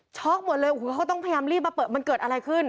หมดเลยโอ้โหเขาต้องพยายามรีบมาเปิดมันเกิดอะไรขึ้น